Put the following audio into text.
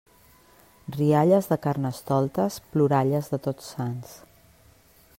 Rialles de Carnestoltes, ploralles de Tots Sants.